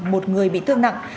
một người bị thương nặng